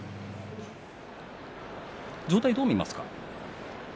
状態はどう見ますか。